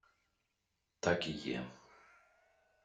Так і є.